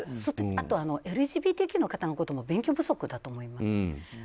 あとＬＧＢＴＱの方の勉強不足だと思います。